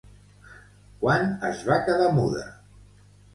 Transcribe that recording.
Quan es va quedar muda?